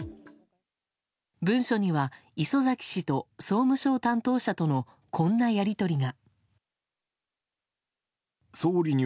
文書には、礒崎氏と総務省担当者とのこんなやり取りが。